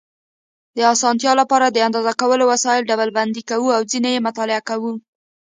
د اسانتیا لپاره د اندازه کولو وسایل ډلبندي کوو او ځینې یې مطالعه کوو.